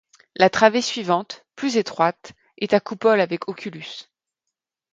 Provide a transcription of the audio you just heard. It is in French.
La travée suivante, plus étroite, est à coupole avec oculus.